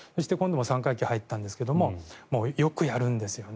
三回忌に入ったんですけどもうよくやるんですよね。